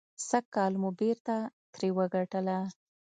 سږکال مو بېرته ترې وګټله.